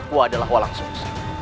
aku adalah walang sumpah